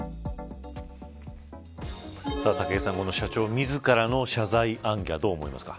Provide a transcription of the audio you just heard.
武井さん、社長自らの謝罪行脚どう思いますか。